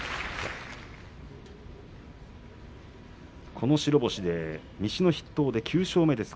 この白星で西の筆頭９勝目です。